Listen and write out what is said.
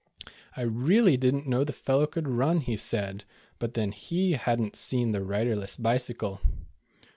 "I really did n't know the fellow could run," he said, but then Jic had n't seen the riderless bicycle.